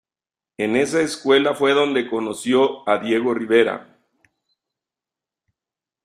En esa escuela fue donde conoció a Diego Rivera.